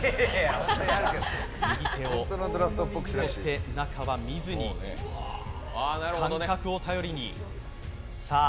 右手を、そして中は見ずに感覚を頼りに。